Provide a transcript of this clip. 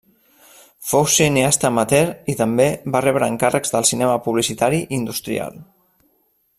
Fou cineasta amateur i també va rebre encàrrecs de cinema publicitari i industrial.